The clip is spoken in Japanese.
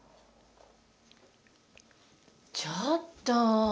ちょっと！